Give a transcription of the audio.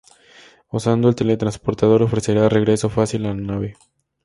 Usando el teletransportador ofrecerá regreso fácil a la nave.